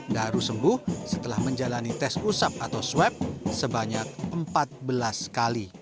daru sembuh setelah menjalani tes usap atau swab sebanyak empat belas kali